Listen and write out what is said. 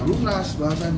bahasannya bukan diikhlaskan